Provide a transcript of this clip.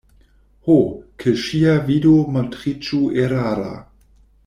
Ho, ke ŝia vido montriĝu erara!